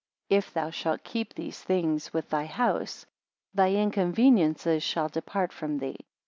17 And if thou shalt keep these things with thy house, thy inconveniencies shall depart from thee.